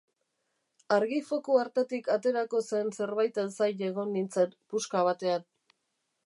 Argi-foku hartatik aterako zen zerbaiten zain egon nintzen puska batean.